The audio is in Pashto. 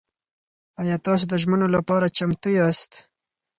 ایا تاسو د ژمنو لپاره چمتو یاست؟